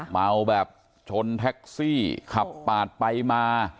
เมาแบบชนแท็กซี่ขับปาดไปมา